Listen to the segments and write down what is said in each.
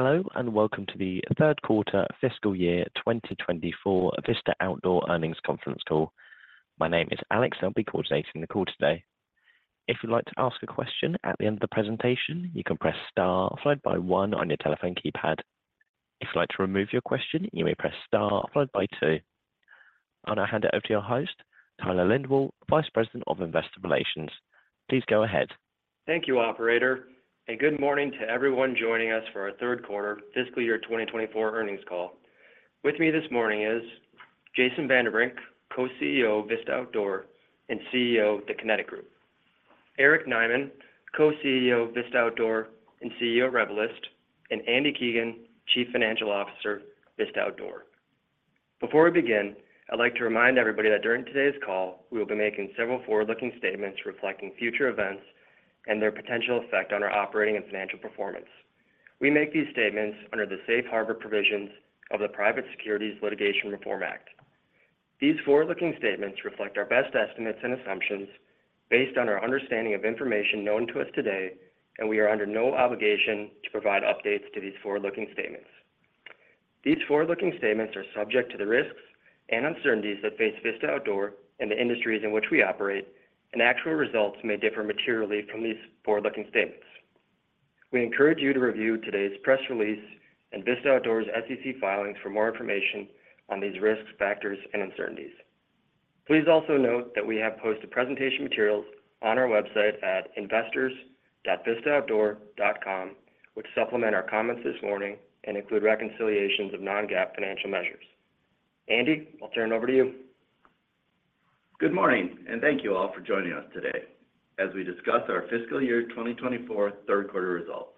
Hello, and welcome to the third quarter FY24 Vista Outdoor Earnings Conference Call. My name is Alex, and I'll be coordinating the call today. If you'd like to ask a question at the end of the presentation, you can press star followed by one on your telephone keypad. If you'd like to remove your question, you may press star followed by two. I'll now hand it over to your host, Tyler Lindwall, Vice President of Investor Relations. Please go ahead. Thank you, operator, and good morning to everyone joining us for our third quarter FY24 earnings call. With me this morning is Jason Vanderbrink, Co-CEO of Vista Outdoor and CEO of The Kinetic Group; Eric Nyman, Co-CEO of Vista Outdoor and CEO of Revelyst; and Andy Keegan, Chief Financial Officer, Vista Outdoor. Before we begin, I'd like to remind everybody that during today's call, we will be making several forward-looking statements reflecting future events and their potential effect on our operating and financial performance. We make these statements under the safe harbor provisions of the Private Securities Litigation Reform Act. These forward-looking statements reflect our best estimates and assumptions based on our understanding of information known to us today, and we are under no obligation to provide updates to these forward-looking statements. These forward-looking statements are subject to the risks and uncertainties that face Vista Outdoor and the industries in which we operate, and actual results may differ materially from these forward-looking statements. We encourage you to review today's press release and Vista Outdoor's SEC filings for more information on these risks, factors, and uncertainties. Please also note that we have posted presentation materials on our website at investors.vistaoutdoor.com, which supplement our comments this morning and include reconciliations of non-GAAP financial measures. Andy, I'll turn it over to you. Good morning, and thank you all for joining us today as we discuss our FY24 third quarter results.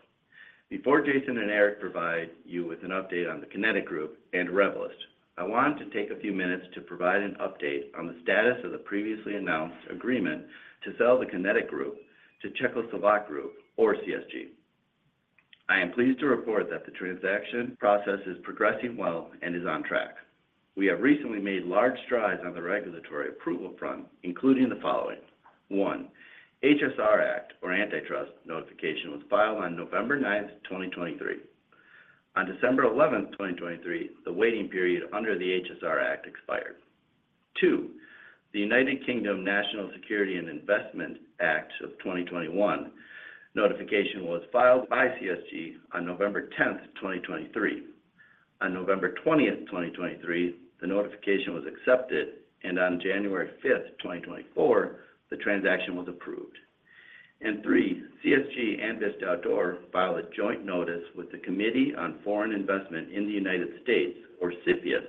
Before Jason and Eric provide you with an update on the Kinetic Group and Revelyst, I want to take a few minutes to provide an update on the status of the previously announced agreement to sell the Kinetic Group to Czechoslovak Group, or CSG. I am pleased to report that the transaction process is progressing well and is on track. We have recently made large strides on the regulatory approval front, including the following: One, HSR Act or antitrust notification was filed on November 9, 2023. On December 11, 2023, the waiting period under the HSR Act expired. Two, the United Kingdom National Security and Investment Act of 2021 notification was filed by CSG on November 10, 2023. On November 20, 2023, the notification was accepted, and on January 5, 2024, the transaction was approved. And three, CSG and Vista Outdoor filed a joint notice with the Committee on Foreign Investment in the United States, or CFIUS,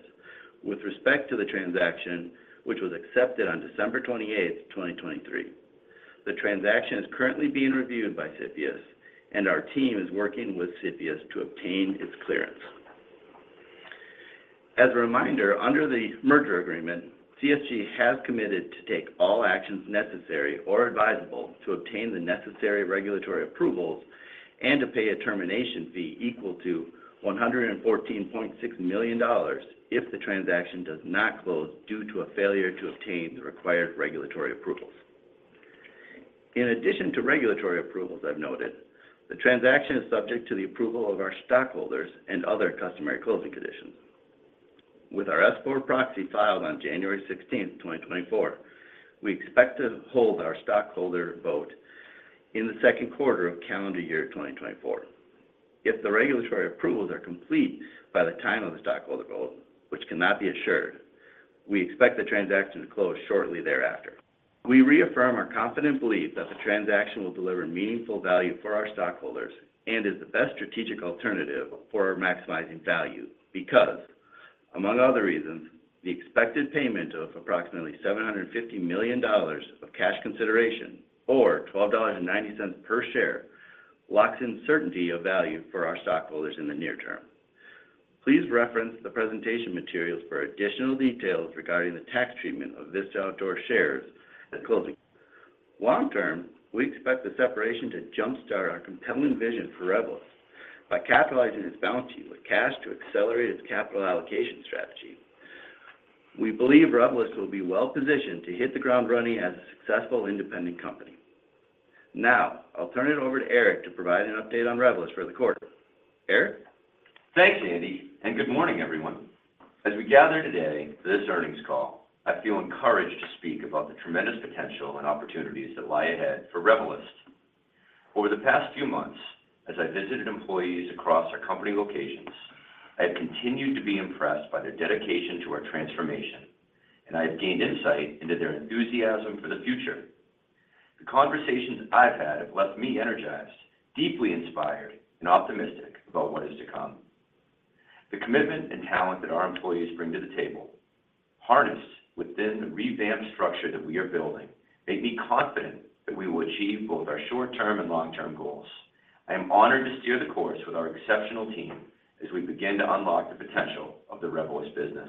with respect to the transaction, which was accepted on December 28, 2023. The transaction is currently being reviewed by CFIUS, and our team is working with CFIUS to obtain its clearance. As a reminder, under the merger agreement, CSG has committed to take all actions necessary or advisable to obtain the necessary regulatory approvals and to pay a termination fee equal to $114.6 million if the transaction does not close due to a failure to obtain the required regulatory approvals. In addition to regulatory approvals I've noted, the transaction is subject to the approval of our stockholders and other customary closing conditions. With our S-4 proxy filed on January 16, 2024, we expect to hold our stockholder vote in the second quarter of calendar year 2024. If the regulatory approvals are complete by the time of the stockholder vote, which cannot be assured, we expect the transaction to close shortly thereafter. We reaffirm our confident belief that the transaction will deliver meaningful value for our stockholders and is the best strategic alternative for maximizing value because, among other reasons, the expected payment of approximately $750 million of cash consideration or $12.90 per share locks in certainty of value for our stockholders in the near term. Please reference the presentation materials for additional details regarding the tax treatment of this Vista Outdoor shares at closing. Long-term, we expect the separation to jumpstart our compelling vision for Revelyst by capitalizing its balance sheet with cash to accelerate its capital allocation strategy. We believe Revelyst will be well-positioned to hit the ground running as a successful independent company. Now, I'll turn it over to Eric to provide an update on Revelyst for the quarter. Eric? Thanks, Andy, and good morning, everyone. As we gather today for this earnings call, I feel encouraged to speak about the tremendous potential and opportunities that lie ahead for Revelyst. Over the past few months, as I visited employees across our company locations, I have continued to be impressed by their dedication to our transformation, and I have gained insight into their enthusiasm for the future. The conversations I've had have left me energized, deeply inspired, and optimistic about what is to come. The commitment and talent that our employees bring to the table, harnessed within the revamped structure that we are building, make me confident that we will achieve both our short-term and long-term goals. I am honored to steer the course with our exceptional team as we begin to unlock the potential of the Revelyst business.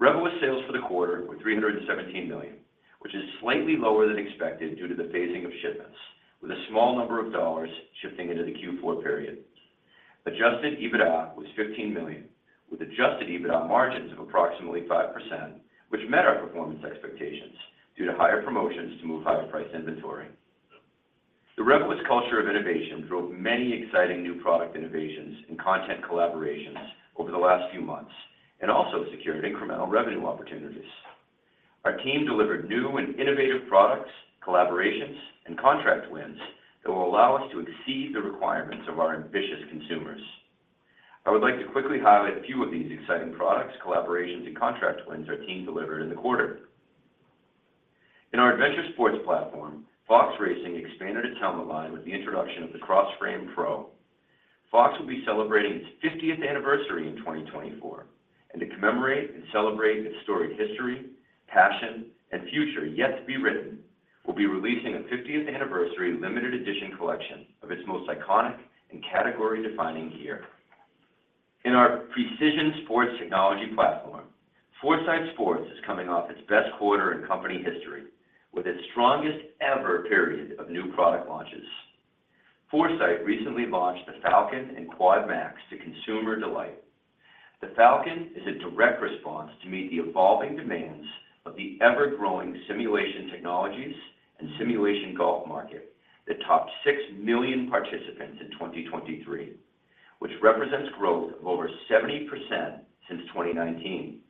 Revelyst sales for the quarter were $317 million, which is slightly lower than expected due to the phasing of shipments, with a small number of dollars shifting into the Q4 period. Adjusted EBITDA was $15 million with Adjusted EBITDA margins of approximately 5%, which met our performance expectations due to higher promotions to move higher price inventory. The Revelyst culture of innovation drove many exciting new product innovations and content collaborations over the last few months, and also secured incremental revenue opportunities. Our team delivered new and innovative products, collaborations, and contract wins that will allow us to exceed the requirements of our ambitious consumers. I would like to quickly highlight a few of these exciting products, collaborations, and contract wins our team delivered in the quarter. In our Adventure Sports platform, Fox Racing expanded its helmet line with the introduction of the Crossframe Pro. Fox will be celebrating its 50th anniversary in 2024, and to commemorate and celebrate its storied history, passion, and future yet to be written, we'll be releasing a 50th anniversary limited edition collection of its most iconic and category-defining gear. In our Precision Sports technology platform, Foresight Sports is coming off its best quarter in company history, with its strongest ever period of new product launches. Foresight recently launched the Falcon and QuadMAX to consumer delight. The Falcon is a direct response to meet the evolving demands of the ever-growing simulation technologies and simulation golf market, that topped 6 million participants in 2023, which represents growth of over 70% since 2019.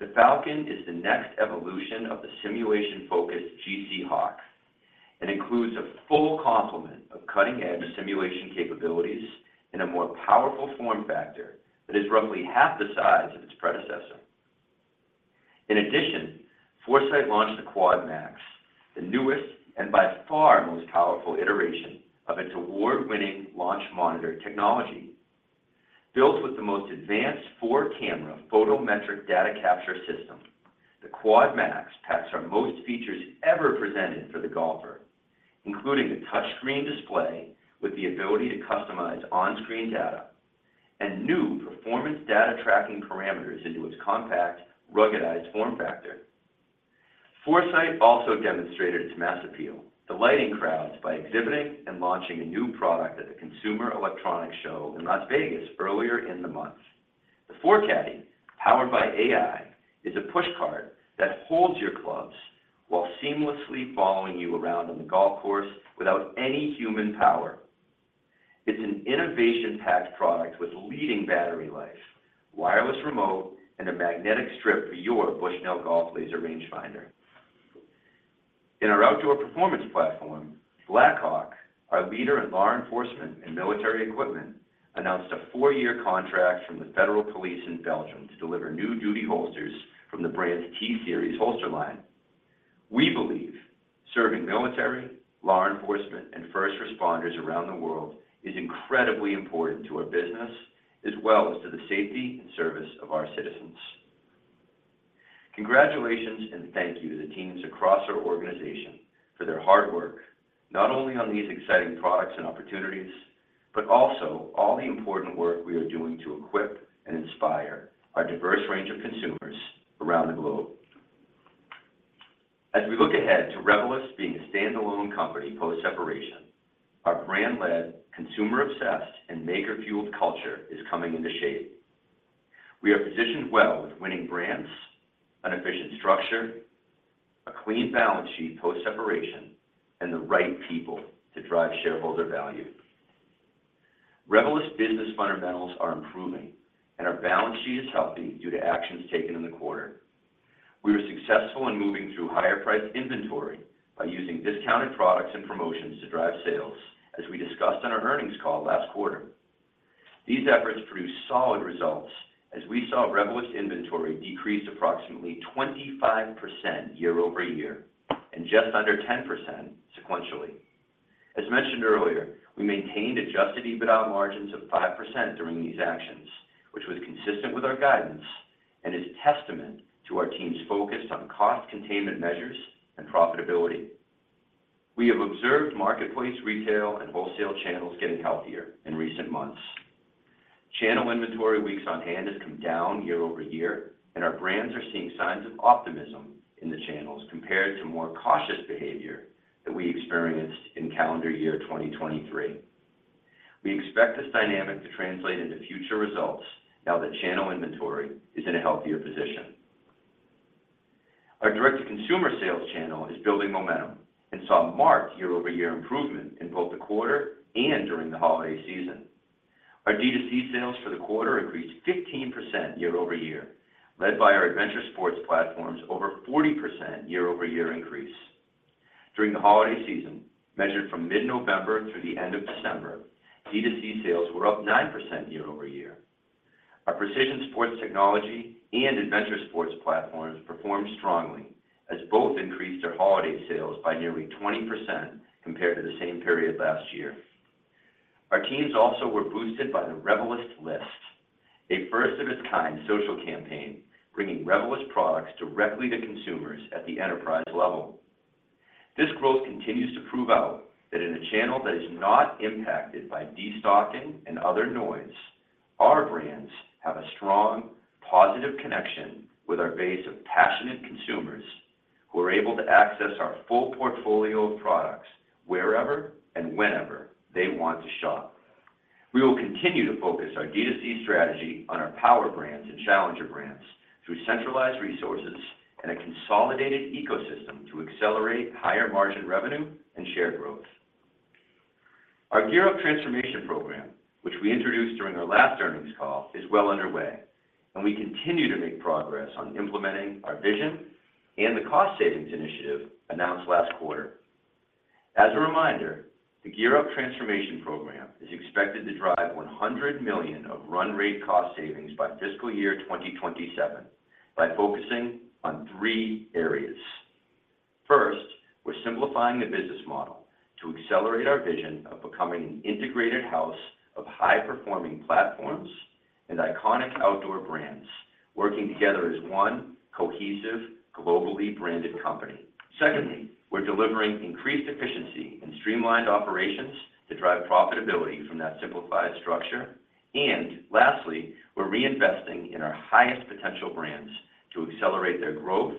The Falcon is the next evolution of the simulation-focused GC Hawk, and includes a full complement of cutting-edge simulation capabilities in a more powerful form factor that is roughly half the size of its predecessor. In addition, Foresight launched the QuadMAX, the newest and by far most powerful iteration of its award-winning launch monitor technology. Built with the most advanced four-camera photometric data capture system, the QuadMAX packs our most features ever presented for the golfer, including a touchscreen display with the ability to customize on-screen data and new performance data tracking parameters into its compact, ruggedized form factor. Foresight also demonstrated its mass appeal, delighting crowds by exhibiting and launching a new product at the Consumer Electronics Show in Las Vegas earlier in the month. The ForeCaddy, powered by AI, is a push cart that holds your clubs while seamlessly following you around on the golf course without any human power. It's an innovation-packed product with leading battery life, wireless remote, and a magnetic strip for your Bushnell Golf laser range finder. In our outdoor performance platform, Blackhawk, our leader in law enforcement and military equipment, announced a four-year contract from the federal police in Belgium to deliver new duty holsters from the brand's T-Series holster line. We believe serving military, law enforcement, and first responders around the world is incredibly important to our business, as well as to the safety and service of our citizens. Congratulations, and thank you to the teams across our organization for their hard work, not only on these exciting products and opportunities, but also all the important work we are doing to equip and inspire our diverse range of consumers around the globe. As we look ahead to Revelyst being a standalone company post-separation, our brand-led, consumer-obsessed, and maker-fueled culture is coming into shape. We are positioned well with winning brands, an efficient structure, a clean balance sheet post-separation, and the right people to drive shareholder value. Revelyst business fundamentals are improving, and our balance sheet is healthy due to actions taken in the quarter. We were successful in moving through higher priced inventory by using discounted products and promotions to drive sales, as we discussed on our earnings call last quarter. These efforts produced solid results as we saw Revelyst inventory decrease approximately 25% year-over-year, and just under 10% sequentially. As mentioned earlier, we maintained Adjusted EBITDA margins of 5% during these actions, which was consistent with our guidance and is testament to our team's focus on cost containment measures and profitability. We have observed marketplace, retail, and wholesale channels getting healthier in recent months. Channel inventory weeks on hand has come down year-over-year, and our brands are seeing signs of optimism in the channels, compared to more cautious behavior that we experienced in calendar year 2023. We expect this dynamic to translate into future results now that channel inventory is in a healthier position. Our direct-to-consumer sales channel is building momentum, and saw marked year-over-year improvement in both the quarter and during the holiday season. Our D2C sales for the quarter increased 15% year-over-year, led by our Adventure Sports platform's over 40% year-over-year increase. During the holiday season, measured from mid-November through the end of December, D2C sales were up 9% year-over-year. Our Precision Sports technology and Adventure Sports platforms performed strongly, as both increased their holiday sales by nearly 20% compared to the same period last year. Our teams also were boosted by the Revelyst List, a first-of-its-kind social campaign, bringing Revelyst products directly to consumers at the enterprise level. This growth continues to prove out that in a channel that is not impacted by destocking and other noise, our brands have a strong, positive connection with our base of passionate consumers who are able to access our full portfolio of products wherever and whenever they want to shop. We will continue to focus our D2C strategy on our power brands and challenger brands through centralized resources and a consolidated ecosystem to accelerate higher margin revenue and share growth. Our GEAR Up transformation program, which we introduced during our last earnings call, is well underway, and we continue to make progress on implementing our vision and the cost savings initiative announced last quarter. As a reminder, the GEAR Up transformation program is expected to drive $100 million of run rate cost savings by FY27 by focusing on three areas. First, we're simplifying the business model to accelerate our vision of becoming an integrated house of high-performing platforms and iconic outdoor brands, working together as one cohesive, globally branded company. Secondly, we're delivering increased efficiency and streamlined operations to drive profitability from that simplified structure. Lastly, we're reinvesting in our highest potential brands to accelerate their growth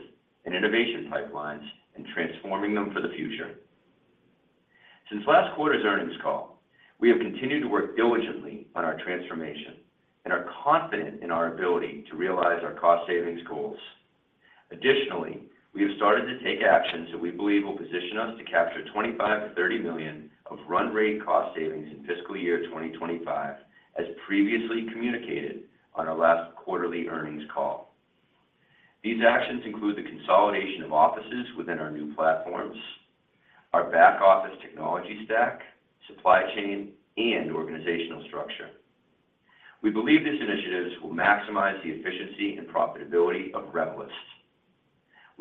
and innovation pipelines and transforming them for the future. Since last quarter's earnings call, we have continued to work diligently on our transformation and are confident in our ability to realize our cost savings goals. Additionally, we have started to take actions that we believe will position us to capture $25 million-$30 million of run rate cost savings in FY25, as previously communicated on our last quarterly earnings call. These actions include the consolidation of offices within our new platforms, our back-office technology stack, supply chain, and organizational structure. We believe these initiatives will maximize the efficiency and profitability of Revelyst.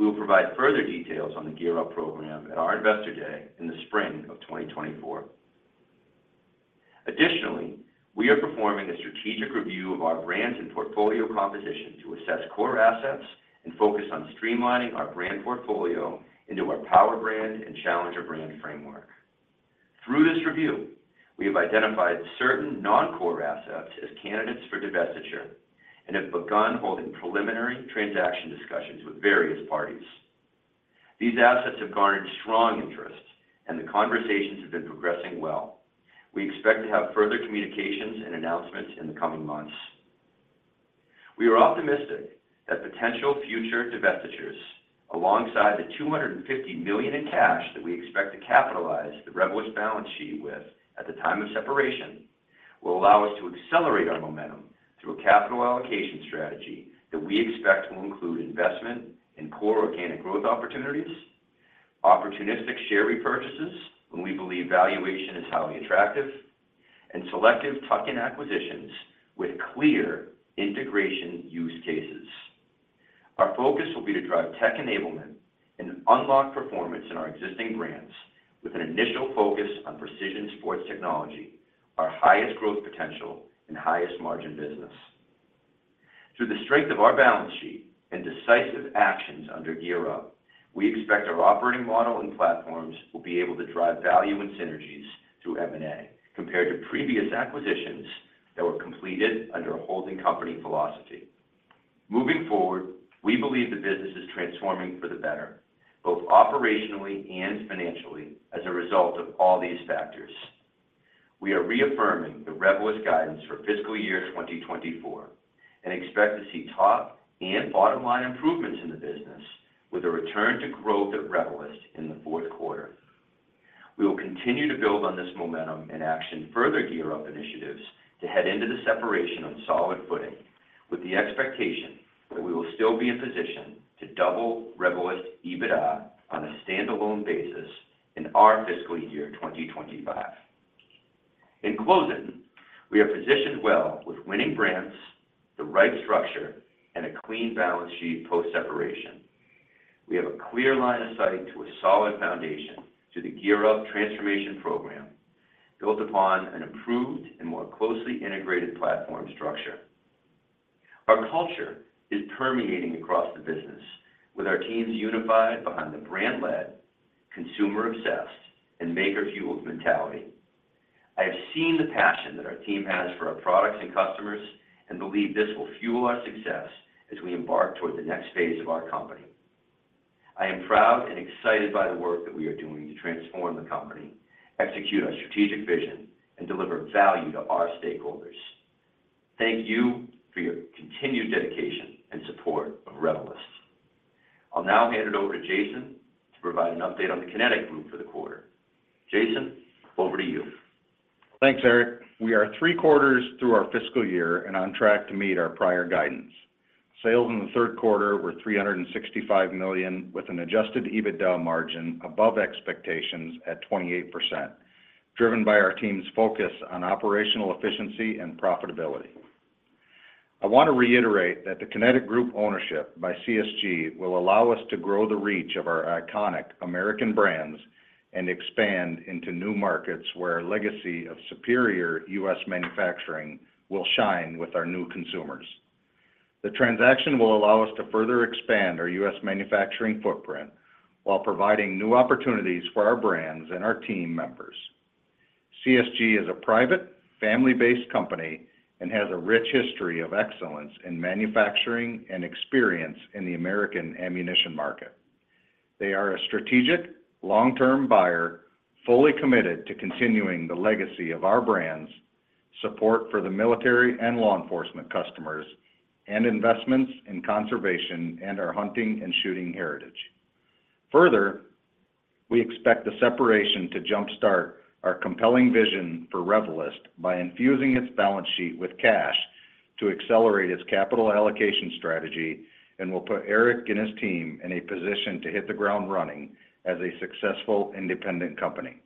We will provide further details on the GEAR Up program at our Investor Day in the spring of 2024. Additionally, we are performing a strategic review of our brands and portfolio composition to assess core assets and focus on streamlining our brand portfolio into our power brand and challenger brand framework. Through this review, we have identified certain non-core assets as candidates for divestiture and have begun holding preliminary transaction discussions with various parties. These assets have garnered strong interest, and the conversations have been progressing well. We expect to have further communications and announcements in the coming months. We are optimistic that potential future divestitures, alongside the $250 million in cash that we expect to capitalize the Revelyst balance sheet with at the time of separation, will allow us to accelerate our momentum through a capital allocation strategy that we expect will include investment in core organic growth opportunities, opportunistic share repurchases when we believe valuation is highly attractive, and selective tuck-in acquisitions with clear integration use cases. Our focus will be to drive tech enablement and unlock performance in our existing brands with an initial focus on Precision Sports Technology, our highest growth potential and highest margin business. Through the strength of our balance sheet and decisive actions under GEAR Up, we expect our operating model and platforms will be able to drive value and synergies through M&A, compared to previous acquisitions that were completed under a holding company philosophy. Moving forward, we believe the business is transforming for the better, both operationally and financially, as a result of all these factors. We are reaffirming the Revelyst guidance for FY24 and expect to see top and bottom line improvements in the business with a return to growth at Revelyst in the fourth quarter. We will continue to build on this momentum and action further GEAR Up initiatives to head into the separation on solid footing, with the expectation that we will still be in position to double Revelyst EBITDA on a standalone basis in our FY25. In closing, we are positioned well with winning brands, the right structure, and a clean balance sheet post-separation. We have a clear line of sight to a solid foundation through the GEAR Up transformation program, built upon an improved and more closely integrated platform structure. Our culture is permeating across the business, with our teams unified behind the brand-led, consumer-obsessed, and maker-fueled mentality. I have seen the passion that our team has for our products and customers, and believe this will fuel our success as we embark toward the next phase of our company. I am proud and excited by the work that we are doing to transform the company, execute our strategic vision, and deliver value to our stakeholders. Thank you for your continued dedication and support of Revelyst. I'll now hand it over to Jason to provide an update on the Kinetic Group for the quarter. Jason, over to you. Thanks, Eric. We are three quarters through our fiscal year and on track to meet our prior guidance. Sales in the third quarter were $365 million, with an Adjusted EBITDA margin above expectations at 28%, driven by our team's focus on operational efficiency and profitability. I want to reiterate that The Kinetic Group ownership by CSG will allow us to grow the reach of our iconic American brands and expand into new markets where our legacy of superior U.S. manufacturing will shine with our new consumers. The transaction will allow us to further expand our U.S. manufacturing footprint while providing new opportunities for our brands and our team members. CSG is a private, family-based company and has a rich history of excellence in manufacturing and experience in the American ammunition market. They are a strategic, long-term buyer, fully committed to continuing the legacy of our brands, support for the military and law enforcement customers, and investments in conservation and our hunting and shooting heritage. Further, we expect the separation to jumpstart our compelling vision for Revelyst by infusing its balance sheet with cash to accelerate its capital allocation strategy, and will put Eric and his team in a position to hit the ground running as a successful independent company.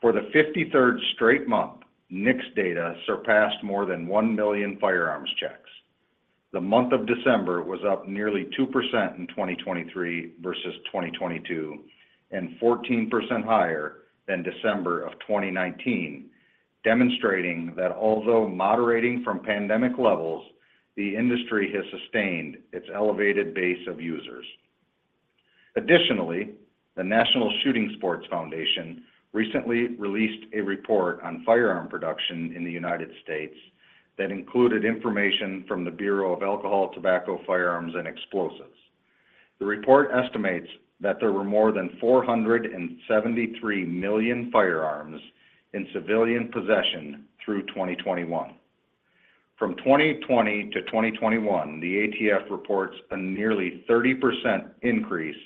For the 53rd straight month, NICS data surpassed more than 1 million firearms checks. The month of December was up nearly 2% in 2023 versus 2022, and 14% higher than December of 2019, demonstrating that although moderating from pandemic levels, the industry has sustained its elevated base of users. Additionally, the National Shooting Sports Foundation recently released a report on firearm production in the United States that included information from the Bureau of Alcohol, Tobacco, Firearms, and Explosives. The report estimates that there were more than 473 million firearms in civilian possession through 2021. From 2020 to 2021, the ATF reports a nearly 30% increase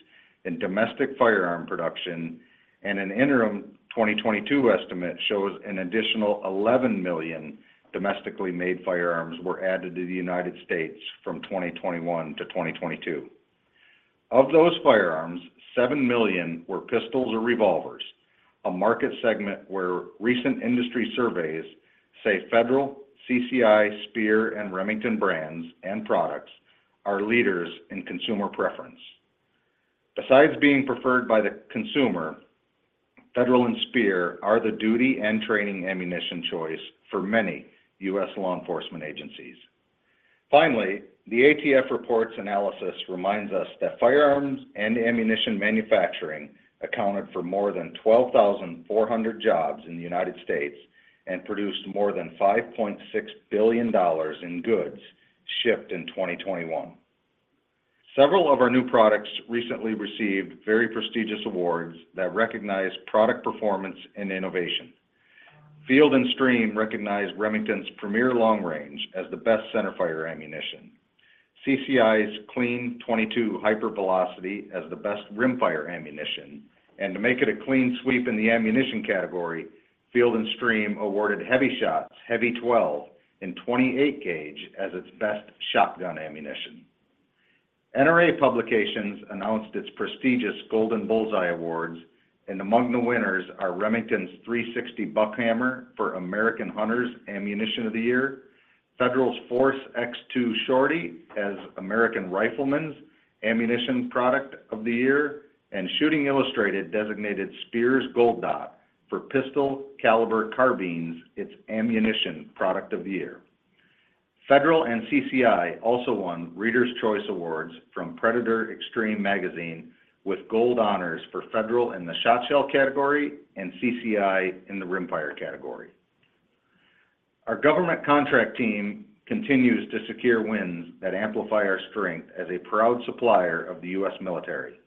in domestic firearm production, and an interim 2022 estimate shows an additional 11 million domestically made firearms were added to the United States from 2021 to 2022. Of those firearms, 7 million were pistols or revolvers, a market segment where recent industry surveys say Federal, CCI, Speer, and Remington brands and products are leaders in consumer preference. Besides being preferred by the consumer, Federal and Speer are the duty and training ammunition choice for many U.S. law enforcement agencies. Finally, the ATF report's analysis reminds us that firearms and ammunition manufacturing accounted for more than 12,400 jobs in the United States, and produced more than $5.6 billion in goods shipped in 2021. Several of our new products recently received very prestigious awards that recognize product performance and innovation. Field & Stream recognized Remington's Premier Long Range as the best centerfire ammunition, CCI's Clean-22 Hyper Velocity as the best rimfire ammunition, and to make it a clean sweep in the ammunition category, Field & Stream awarded HEVI-Shot's HEVI-XII in 28-gauge as its best shotgun ammunition. NRA Publications announced its prestigious Golden Bullseye Awards, and among the winners are Remington's 360 Buckhammer for American Hunters Ammunition of the Year, Federal's Force X2 Shorty as American Rifleman's Ammunition Product of the Year, and Shooting Illustrated designated Speer's Gold Dot for Pistol Caliber Carbines, its Ammunition Product of the Year. Federal and CCI also won Readers' Choice Awards from Predator Xtreme Magazine, with gold honors for Federal in the shotshell category and CCI in the rimfire category. Our government contract team continues to secure wins that amplify our strength as a proud supplier of the U.S. military.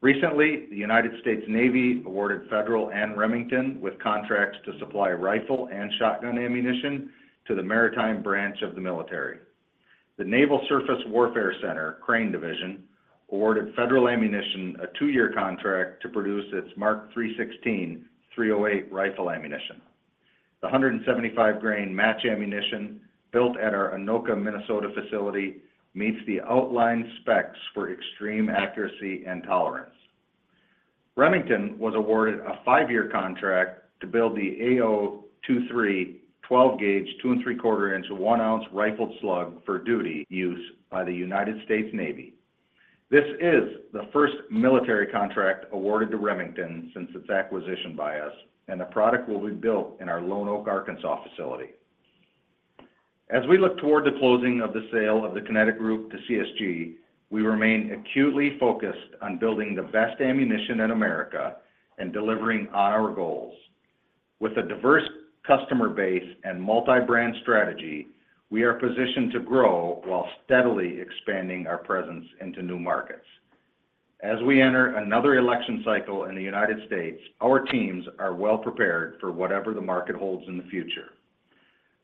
Recently, the United States Navy awarded Federal and Remington with contracts to supply rifle and shotgun ammunition to the maritime branch of the military. The Naval Surface Warfare Center, Crane Division, awarded Federal Ammunition a two-year contract to produce its Mark 316 .308 rifle ammunition. The 175-grain match ammunition, built at our Anoka, Minnesota facility, meets the outlined specs for extreme accuracy and tolerance. Remington was awarded a 5-year contract to build the A023 12-gauge 2¾-inch 1-ounce rifled slug for duty use by the United States Navy. This is the first military contract awarded to Remington since its acquisition by us, and the product will be built in our Lonoke, Arkansas facility. As we look toward the closing of the sale of The Kinetic Group to CSG, we remain acutely focused on building the best ammunition in America and delivering on our goals. With a diverse customer base and multi-brand strategy, we are positioned to grow while steadily expanding our presence into new markets. As we enter another election cycle in the United States, our teams are well prepared for whatever the market holds in the future.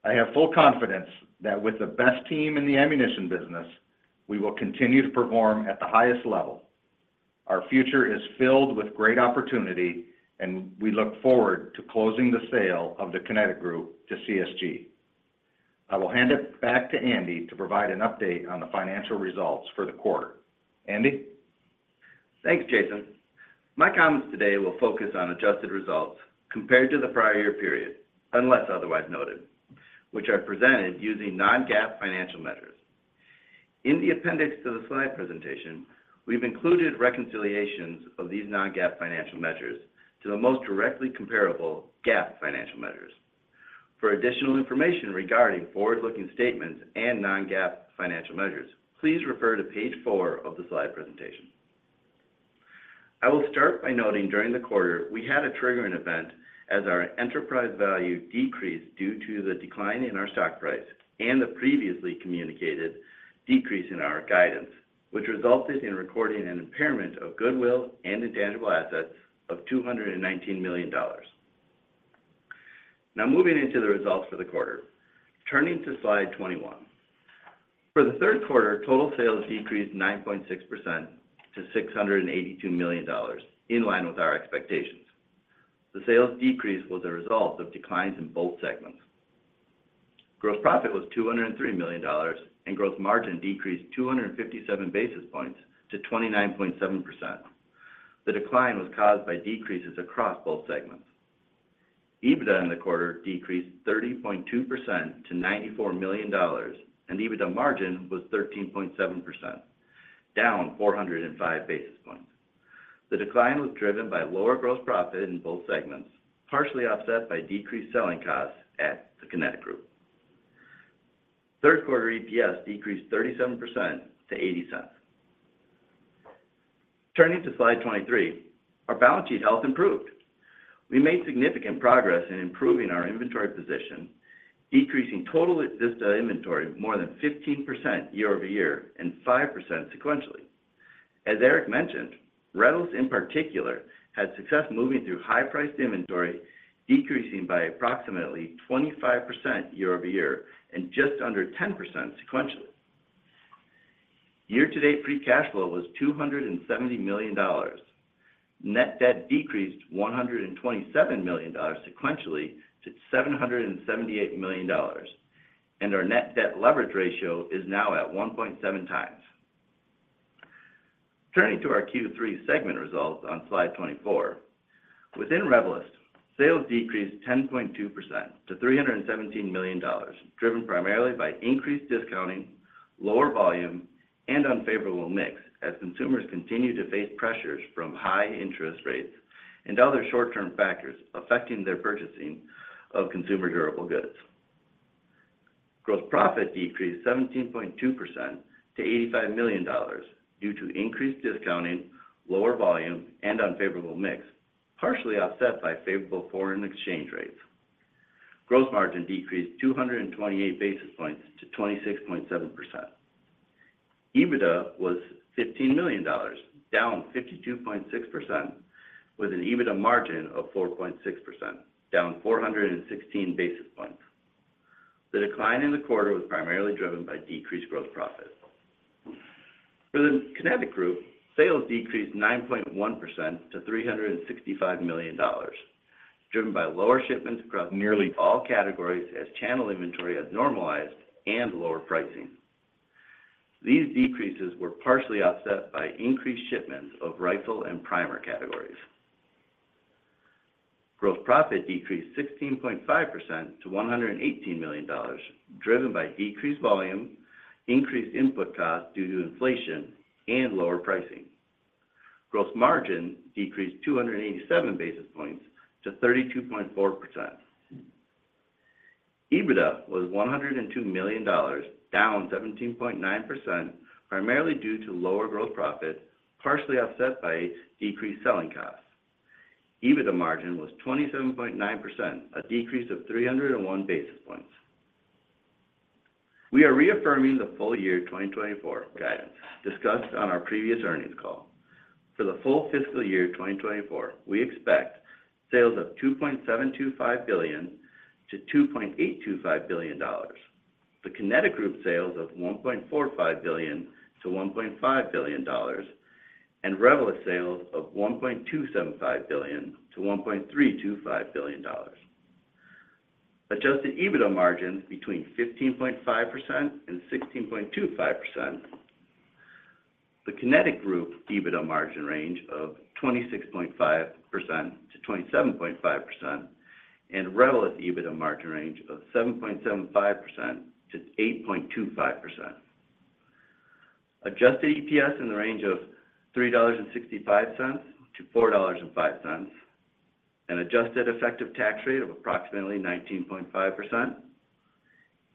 I have full confidence that with the best team in the ammunition business, we will continue to perform at the highest level. Our future is filled with great opportunity, and we look forward to closing the sale of The Kinetic Group to CSG. I will hand it back to Andy to provide an update on the financial results for the quarter. Andy? Thanks, Jason. My comments today will focus on adjusted results compared to the prior year period, unless otherwise noted, which are presented using non-GAAP financial measures. In the appendix to the slide presentation, we've included reconciliations of these non-GAAP financial measures to the most directly comparable GAAP financial measures. For additional information regarding forward-looking statements and non-GAAP financial measures, please refer to page 4 of the slide presentation. I will start by noting, during the quarter, we had a triggering event as our enterprise value decreased due to the decline in our stock price and the previously communicated decrease in our guidance, which resulted in recording an impairment of goodwill and intangible assets of $219 million. Now, moving into the results for the quarter. Turning to Slide 21. For the third quarter, total sales decreased 9.6% to $682 million, in line with our expectations. The sales decrease was a result of declines in both segments. Gross profit was $203 million, and gross margin decreased 257 basis points to 29.7%. The decline was caused by decreases across both segments. EBITDA in the quarter decreased 30.2% to $94 million, and EBITDA margin was 13.7%, down 405 basis points. The decline was driven by lower gross profit in both segments, partially offset by decreased selling costs at The Kinetic Group. Third quarter EPS decreased 37% to $0.80. Turning to Slide 23, our balance sheet health improved. We made significant progress in improving our inventory position, decreasing total Vista inventory more than 15% year-over-year and 5% sequentially. As Eric mentioned, Revelyst, in particular, had success moving through high-priced inventory, decreasing by approximately 25% year-over-year and just under 10% sequentially. Year-to-date, free cash flow was $270 million. Net debt decreased $127 million sequentially to $778 million, and our net debt leverage ratio is now at 1.7 times. Turning to our Q3 segment results on Slide 24. Within Revelyst, sales decreased 10.2% to $317 million, driven primarily by increased discounting, lower volume, and unfavorable mix, as consumers continue to face pressures from high interest rates and other short-term factors affecting their purchasing of consumer durable goods. Gross profit decreased 17.2% to $85 million due to increased discounting, lower volume, and unfavorable mix, partially offset by favorable foreign exchange rates. Gross margin decreased 228 basis points to 26.7%. EBITDA was $15 million, down 52.6%, with an EBITDA margin of 4.6%, down 416 basis points. The decline in the quarter was primarily driven by decreased gross profit. For The Kinetic Group, sales decreased 9.1% to $365 million, driven by lower shipments across nearly all categories as channel inventory has normalized and lower pricing. These decreases were partially offset by increased shipments of rifle and primer categories. Gross profit decreased 16.5% to $118 million, driven by decreased volume, increased input costs due to inflation, and lower pricing. Gross margin decreased 287 basis points to 32.4%. EBITDA was $102 million, down 17.9%, primarily due to lower gross profit, partially offset by decreased selling costs. EBITDA margin was 27.9%, a decrease of 301 basis points. We are reaffirming the full year 2024 guidance discussed on our previous earnings call. For the full FY24, we expect sales of $2.725 billion-$2.825 billion. The Kinetic Group sales of $1.45 billion-$1.5 billion, and Revelyst sales of $1.275 billion-$1.325 billion. Adjusted EBITDA margins between 15.5%-16.25%. The Kinetic Group EBITDA margin range of 26.5%-27.5%, and Revelyst EBITDA margin range of 7.75%-8.25%. Adjusted EPS in the range of $3.65-$4.05, an adjusted effective tax rate of approximately 19.5%,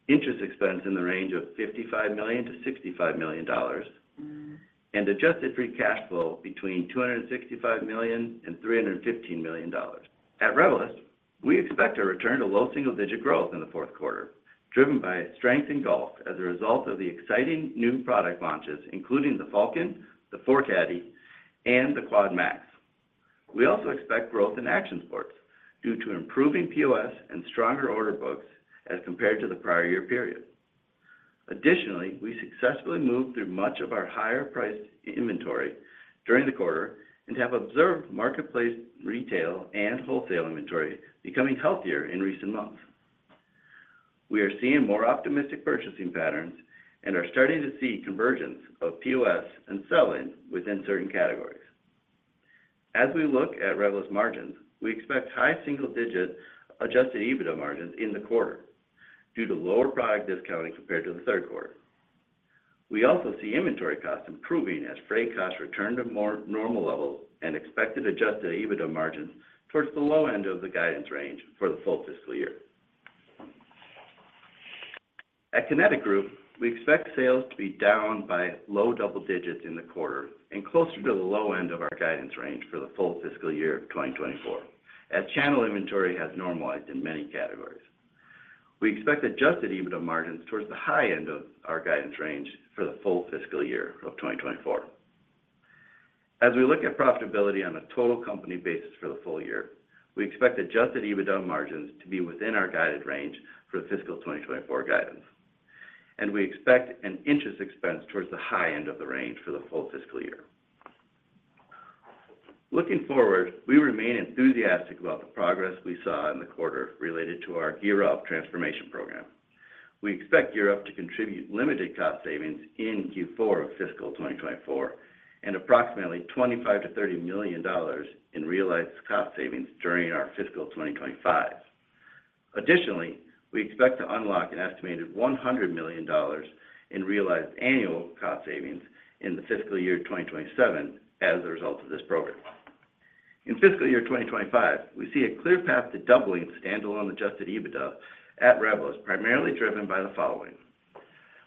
interest expense in the range of $55 million-$65 million, and adjusted free cash flow between $265 million and $315 million. At Revelyst, we expect a return to low single-digit growth in the fourth quarter, driven by strength in golf as a result of the exciting new product launches, including the Falcon, the ForeCaddy, and the QuadMAX. We also expect growth in action sports due to improving POS and stronger order books as compared to the prior year period. Additionally, we successfully moved through much of our higher-priced inventory during the quarter and have observed marketplace, retail, and wholesale inventory becoming healthier in recent months. We are seeing more optimistic purchasing patterns and are starting to see convergence of POS and sell-in within certain categories. As we look at Revelyst's margins, we expect high single-digit Adjusted EBITDA margins in the quarter due to lower product discounting compared to the third quarter. We also see inventory costs improving as freight costs return to more normal levels and expected Adjusted EBITDA margins towards the low end of the guidance range for the full fiscal year. At Kinetic Group, we expect sales to be down by low double digits in the quarter and closer to the low end of our guidance range for the full FY24, as channel inventory has normalized in many categories. We expect Adjusted EBITDA margins towards the high end of our guidance range for the full FY24. As we look at profitability on a total company basis for the full year, we expect Adjusted EBITDA margins to be within our guided range for the fiscal 2024 guidance, and we expect an interest expense towards the high end of the range for the full fiscal year. Looking forward, we remain enthusiastic about the progress we saw in the quarter related to our GEAR Up transformation program. We expect GEAR Up to contribute limited cost savings in Q4 of fiscal 2024, and approximately $25-$30 million in realized cost savings during our fiscal 2025. Additionally, we expect to unlock an estimated $100 million in realized annual cost savings in the FY27 as a result of this program. In FY25, we see a clear path to doubling standalone Adjusted EBITDA at Revelyst, primarily driven by the following: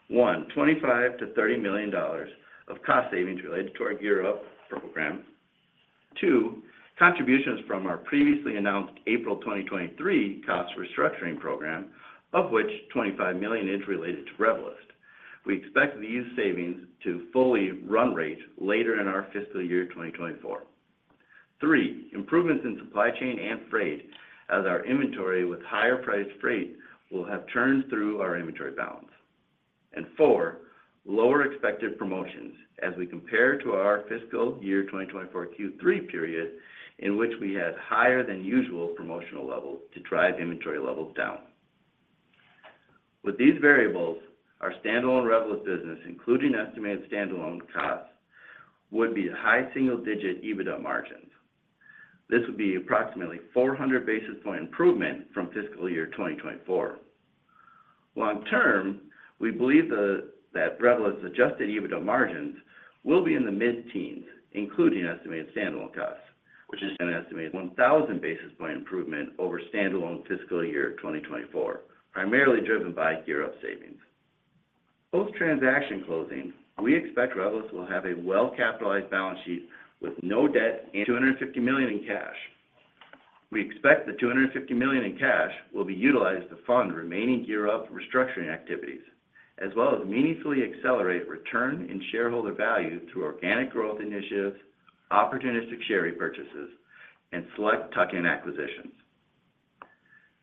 One, $25-$30 million of cost savings related to our GEAR Up program. Two, contributions from our previously announced April 2023 cost restructuring program, of which $25 million is related to Revelyst. We expect these savings to fully run rate later in our FY24. 3, improvements in supply chain and freight, as our inventory with higher priced freight will have turned through our inventory balance. And 4, lower expected promotions as we compare to our FY24 Q3 period, in which we had higher than usual promotional levels to drive inventory levels down. With these variables, our standalone Revelyst business, including estimated standalone costs, would be a high single-digit EBITDA margins. This would be approximately 400 basis point improvement from FY24. Long term, we believe that Revelyst Adjusted EBITDA margins will be in the mid-teens, including estimated standalone costs, which is an estimated 1,000 basis point improvement over standalone FY24, primarily driven by GEAR Up savings. Post-transaction closing, we expect Revelyst will have a well-capitalized balance sheet with no debt and $250 million in cash. We expect the $250 million in cash will be utilized to fund remaining GEAR Up restructuring activities, as well as meaningfully accelerate return and shareholder value through organic growth initiatives, opportunistic share repurchases, and select tuck-in acquisitions.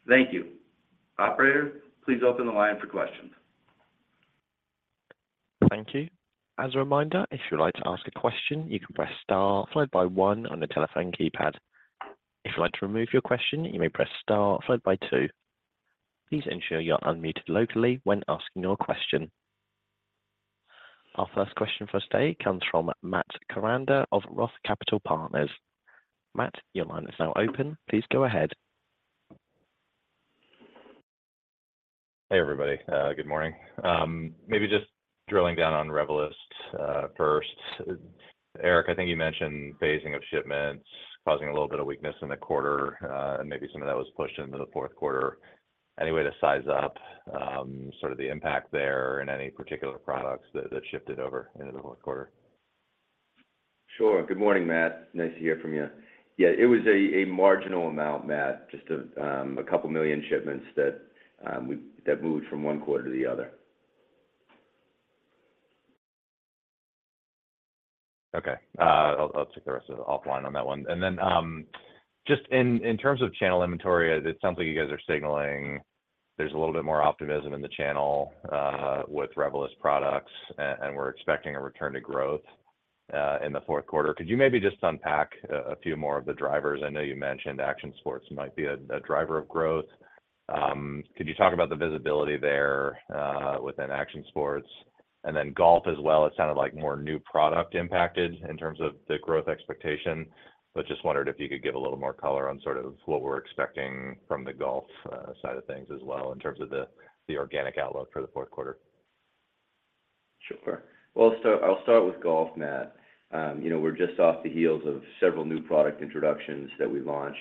Thank you. Operator, please open the line for questions. Thank you. As a reminder, if you'd like to ask a question, you can press star followed by one on the telephone keypad. If you'd like to remove your question, you may press star followed by two. Please ensure you are unmuted locally when asking your question. Our first question for today comes from Matt Koranda of Roth Capital Partners. Matt, your line is now open. Please go ahead. Hey, everybody, good morning. Maybe just drilling down on Revelyst, first. Eric, I think you mentioned phasing of shipments causing a little bit of weakness in the quarter, and maybe some of that was pushed into the fourth quarter. Any way to size up, sort of the impact there in any particular products that, that shifted over into the fourth quarter? Sure. Good morning, Matt. Nice to hear from you. Yeah, it was a marginal amount, Matt, just a couple million shipments that moved from one quarter to the other. Okay. I'll take the rest of it offline on that one. And then, just in terms of channel inventory, it sounds like you guys are signaling there's a little bit more optimism in the channel with Revelyst products, and we're expecting a return to growth in the fourth quarter. Could you maybe just unpack a few more of the drivers? I know you mentioned action sports might be a driver of growth. Could you talk about the visibility there within action sports? And then golf as well, it sounded like more new product impacted in terms of the growth expectation, but just wondered if you could give a little more color on sort of what we're expecting from the golf side of things as well, in terms of the organic outlook for the fourth quarter. Sure. Well, I'll start with golf, Matt. You know, we're just off the heels of several new product introductions that we launched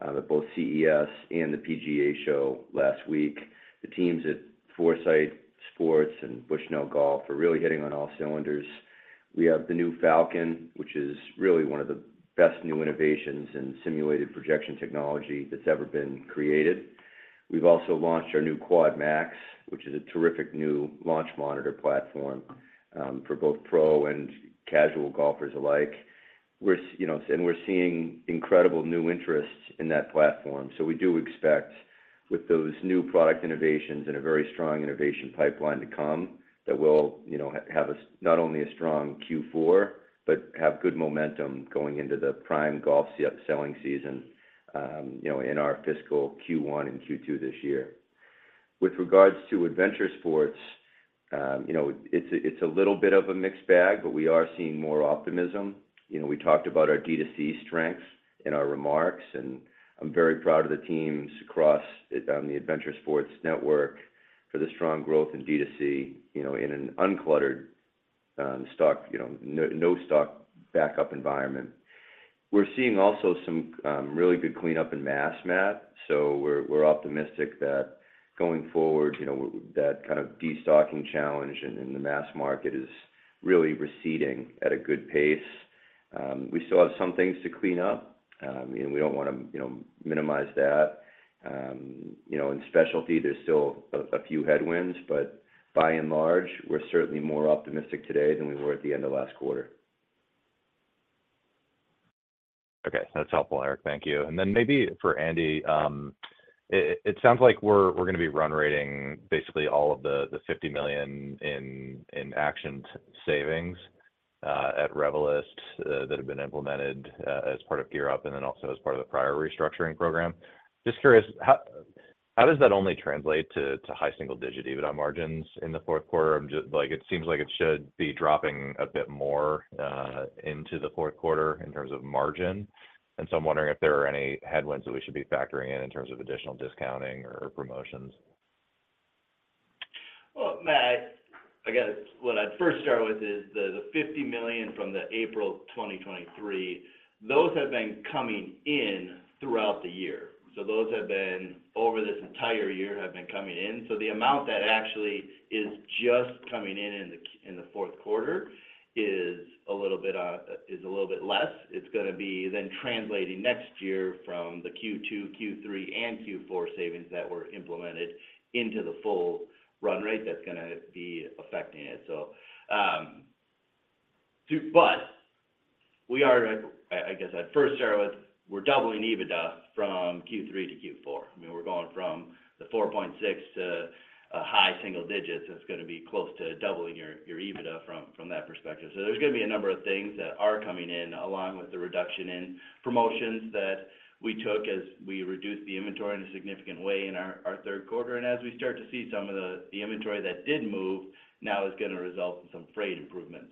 at both CES and the PGA Show last week. The teams at Foresight Sports and Bushnell Golf are really hitting on all cylinders. We have the new Falcon, which is really one of the best new innovations in simulated projection technology that's ever been created. We've also launched our new QuadMAX, which is a terrific new launch monitor platform for both pro and casual golfers alike. You know, and we're seeing incredible new interest in that platform. So we do expect with those new product innovations and a very strong innovation pipeline to come, that we'll, you know, have not only a strong Q4, but have good momentum going into the prime golf selling season, you know, in our fiscal Q1 and Q2 this year. With regards to Adventure Sports, you know, it's a little bit of a mixed bag, but we are seeing more optimism. You know, we talked about our D2C strengths in our remarks, and I'm very proud of the teams across the Adventure Sports Network for the strong growth in D2C, you know, in an uncluttered- Stock, you know, no, no stock backup environment. We're seeing also some, really good cleanup in mass, Matt, so we're optimistic that going forward, you know, that kind of destocking challenge in the mass market is really receding at a good pace. We still have some things to clean up, and we don't want to, you know, minimize that. You know, in specialty, there's still a few headwinds, but by and large, we're certainly more optimistic today than we were at the end of last quarter. Okay, that's helpful, Eric. Thank you. And then maybe for Andy, it sounds like we're gonna be run rating basically all of the $50 million in actioned savings at Revelyst that have been implemented as part of GEAR Up and then also as part of the prior restructuring program. Just curious, how does that only translate to high single digit EBITDA margins in the fourth quarter? I'm just like, it seems like it should be dropping a bit more into the fourth quarter in terms of margin. And so I'm wondering if there are any headwinds that we should be factoring in, in terms of additional discounting or promotions. Well, Matt, I guess what I'd first start with is the $50 million from the April 2023, those have been coming in throughout the year. So those have been over this entire year, have been coming in. So the amount that actually is just coming in in the fourth quarter is a little bit less. It's gonna be then translating next year from the Q2, Q3, and Q4 savings that were implemented into the full run rate that's gonna be affecting it. But we are, I guess I'd first start with, we're doubling EBITDA from Q3 to Q4. I mean, we're going from the 4.6 to a high single digits, and it's gonna be close to doubling your EBITDA from that perspective. There's gonna be a number of things that are coming in, along with the reduction in promotions that we took as we reduced the inventory in a significant way in our third quarter. As we start to see some of the inventory that did move, now is gonna result in some freight improvement.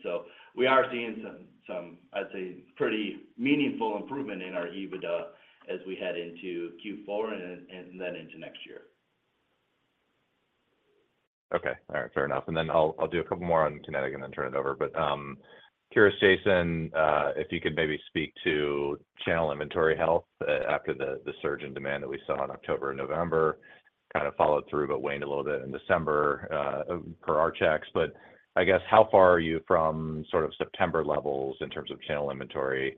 We are seeing some, I'd say, pretty meaningful improvement in our EBITDA as we head into Q4 and then into next year. Okay. All right, fair enough. And then I'll do a couple more on Kinetic and then turn it over. But, curious, Jason, if you could maybe speak to channel inventory health, after the surge in demand that we saw in October and November, kind of followed through, but waned a little bit in December, per our checks. But I guess, how far are you from sort of September levels in terms of channel inventory?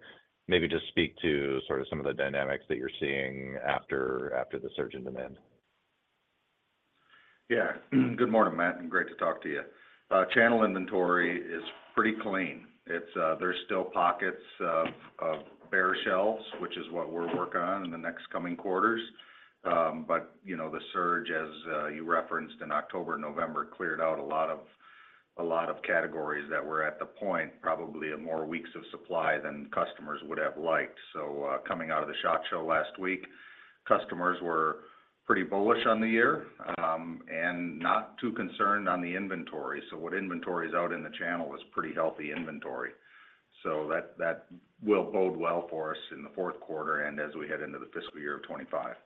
Maybe just speak to sort of some of the dynamics that you're seeing after the surge in demand. Yeah. Good morning, Matt, and great to talk to you. Channel inventory is pretty clean. It's, there's still pockets of bare shelves, which is what we're working on in the next coming quarters. But, you know, the surge, as you referenced in October, November, cleared out a lot of, a lot of categories that were at the point, probably, of more weeks of supply than customers would have liked. So, coming out of the Shot Show last week, customers were pretty bullish on the year, and not too concerned on the inventory. So what inventory is out in the channel is pretty healthy inventory. So that, that will bode well for us in the fourth quarter and as we head into the fiscal year of 25.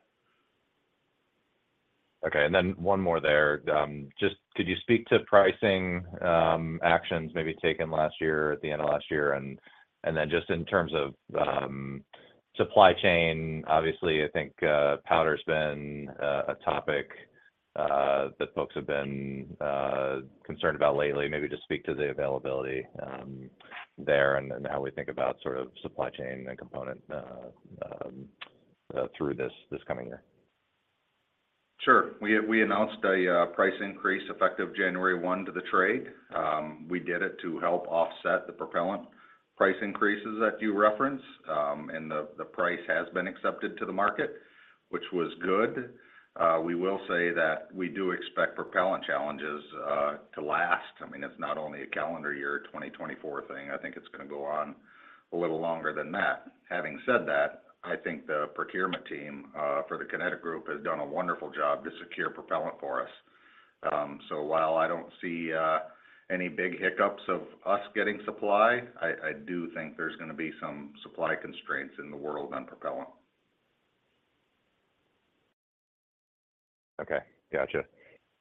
Okay, and then one more there. Just could you speak to pricing, actions maybe taken last year, at the end of last year? And, and then just in terms of, supply chain, obviously, I think, powder's been, a topic, that folks have been, concerned about lately. Maybe just speak to the availability, there and, and how we think about sort of supply chain and component, through this, this coming year. Sure. We announced a price increase effective January 1 to the trade. We did it to help offset the propellant price increases that you referenced, and the price has been accepted to the market, which was good. We will say that we do expect propellant challenges to last. I mean, it's not only a calendar year, 2024 thing, I think it's gonna go on a little longer than that. Having said that, I think the procurement team for the Kinetic Group has done a wonderful job to secure propellant for us. So while I don't see any big hiccups of us getting supply, I do think there's gonna be some supply constraints in the world on propellant. Okay, gotcha.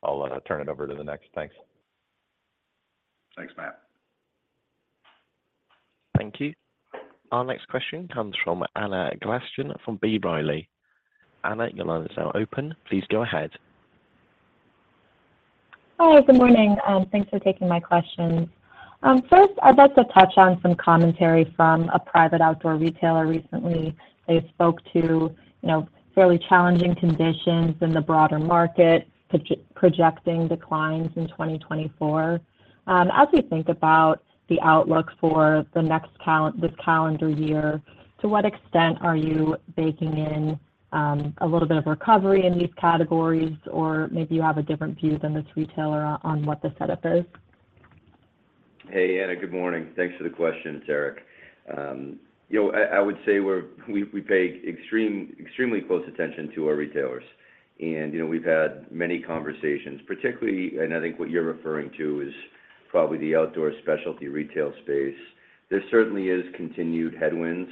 I'll turn it over to the next. Thanks. Thanks, Matt. Thank you. Our next question comes from Anna Glaessgen from B. Riley. Anna, your line is now open. Please go ahead. Hi, good morning. Thanks for taking my questions. First, I'd like to touch on some commentary from a private outdoor retailer. Recently, they spoke to, you know, fairly challenging conditions in the broader market, projecting declines in 2024. As we think about the outlook for the next – this calendar year, to what extent are you baking in a little bit of recovery in these categories, or maybe you have a different view than this retailer on what the setup is? Hey, Anna. Good morning. Thanks for the question. It's Eric. You know, I would say we pay extremely close attention to our retailers. And, you know, we've had many conversations, particularly, and I think what you're referring to is probably the outdoor specialty retail space. There certainly is continued headwinds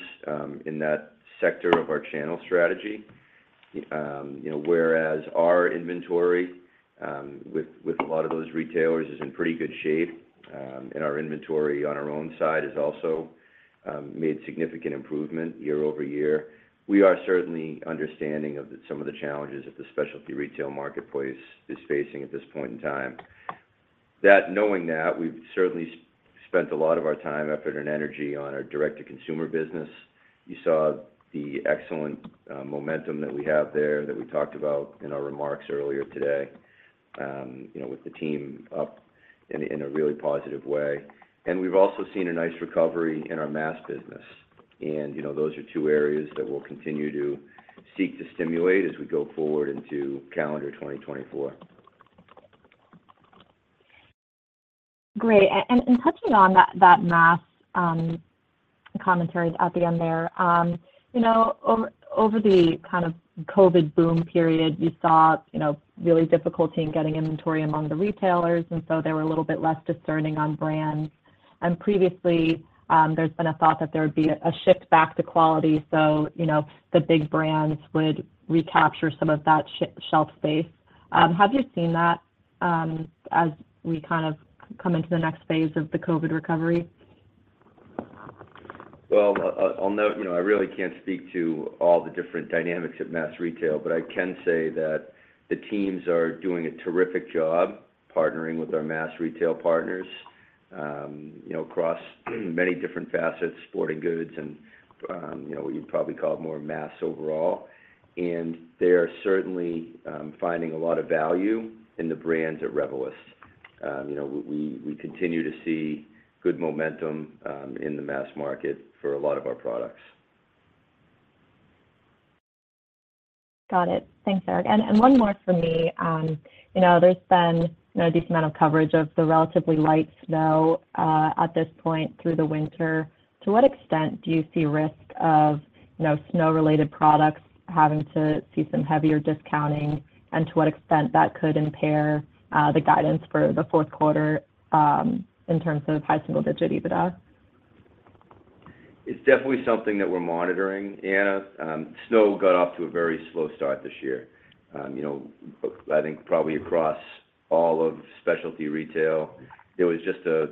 in that sector of our channel strategy. You know, whereas our inventory with a lot of those retailers is in pretty good shape. And our inventory on our own side has also made significant improvement year-over-year. We are certainly understanding of some of the challenges that the specialty retail marketplace is facing at this point in time. That, knowing that, we've certainly spent a lot of our time, effort, and energy on our direct-to-consumer business. You saw the excellent momentum that we have there, that we talked about in our remarks earlier today. You know, with the team up in a really positive way. We've also seen a nice recovery in our mass business. You know, those are two areas that we'll continue to seek to stimulate as we go forward into calendar 2024. Great. And touching on that last commentary at the end there. You know, over the kind of COVID boom period, you saw, you know, really difficulty in getting inventory among the retailers, and so they were a little bit less discerning on brands. And previously, there's been a thought that there would be a shift back to quality, so, you know, the big brands would recapture some of that shelf space. Have you seen that, as we kind of come into the next phase of the COVID recovery? Well, I'll note, you know, I really can't speak to all the different dynamics of mass retail, but I can say that the teams are doing a terrific job partnering with our mass retail partners, you know, across many different facets, sporting goods and, you know, what you'd probably call it more mass overall. And they are certainly finding a lot of value in the brands at Revelyst. You know, we continue to see good momentum in the mass market for a lot of our products. Got it. Thanks, Eric. And one more from me. You know, there's been a decent amount of coverage of the relatively light snow at this point through the winter. To what extent do you see risk of, you know, snow-related products having to see some heavier discounting? And to what extent that could impair the guidance for the fourth quarter in terms of high single-digit EBITDA? It's definitely something that we're monitoring, Anna. Snow got off to a very slow start this year. You know, I think probably across all of specialty retail, it was just a,